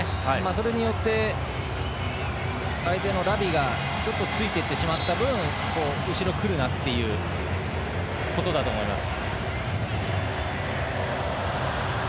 それによって相手のラウィがついていってしまった分後ろ、来るなっていうことだと思います。